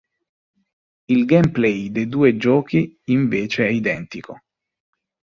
Il gameplay dei due giochi invece è identico.